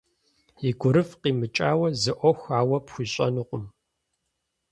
И гурыфӏ къимыкӏауэ зы ӏуэху ауэ пхуищӏэнукъым.